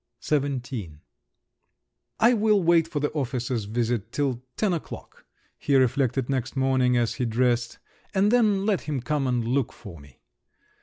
XVII "I will wait for the officer's visit till ten o'clock," he reflected next morning, as he dressed, "and then let him come and look for me!"